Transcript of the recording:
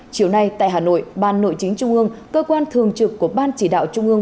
chiều nay tại hà nội ban nội chính trung ương cơ quan thường trực của ban chỉ đạo trung ương